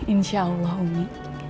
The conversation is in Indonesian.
insya allah umi